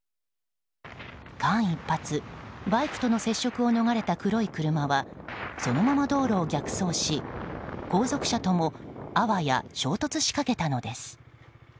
間一髪、バイクとの接触を逃れた黒い車はそのまま道路を逆走し後続車ともあわや衝突しかけたのです。